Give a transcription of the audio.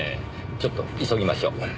ちょっと急ぎましょう。